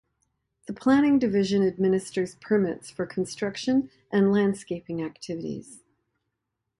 The planning division administers permits for construction and landscaping activities.